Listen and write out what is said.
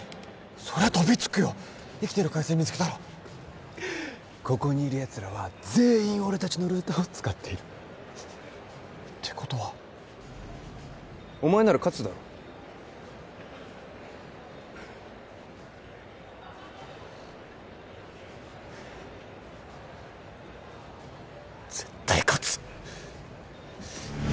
そりゃ飛びつくよ生きてる回線見つけたらここにいるやつらは全員俺達のルーターを使っているてことはお前なら勝つだろ絶対勝つ